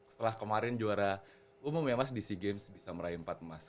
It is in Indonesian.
setelah kemarin juara umum ya mas di sea games bisa meraih empat emas